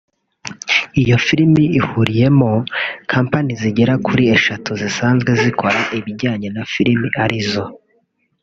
Iyo filimi ihuriyemo companies zigera kuri eshatu zisanzwe zikora ibijyanye na filimi arizo